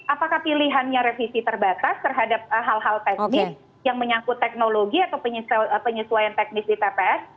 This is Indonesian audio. apakah pilihannya revisi terbatas terhadap hal hal teknis yang menyangkut teknologi atau penyesuaian teknis di tps